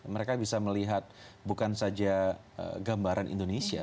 mereka bisa melihat bukan saja gambaran indonesia